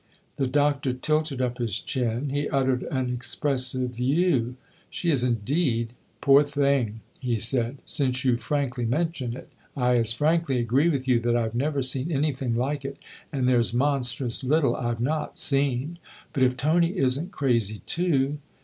The Doctor tilted up his chin ; he uttered an expressive " Euh ! She is indeed, poor thing !" he said. " Since you frankly mention it, I as frankly agree with you, that I've never seen anything like it. And there's monstrous little I've not seen. But if Tony isn't crazy too